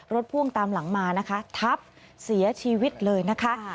พ่วงตามหลังมานะคะทับเสียชีวิตเลยนะคะ